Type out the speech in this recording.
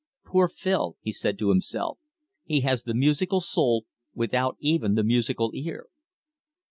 "Poor Phil," he said to himself. "He has the musical soul without even the musical ear!"